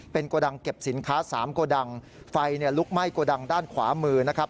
โกดังเก็บสินค้าสามโกดังไฟลุกไหม้โกดังด้านขวามือนะครับ